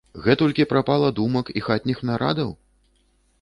Гэтулькі прапала думак і хатніх нарадаў?